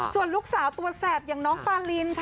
ส่วนลูกสาวตัวแสบอย่างน้องปาลินค่ะ